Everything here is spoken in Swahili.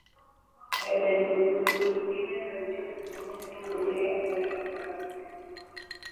Aina nyingine za michoro zinaonyesha tu milia, duara au alama za kimsingi.